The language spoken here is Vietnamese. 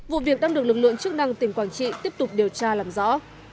vụ việc đang được lực lượng chức năng tỉnh quảng trị tiếp tục điều tra làm rõ